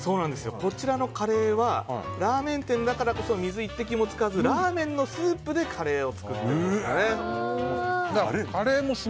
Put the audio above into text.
こちらのカレーはラーメン店だからこそ水１滴も使わずラーメンのスープだけで作ってます。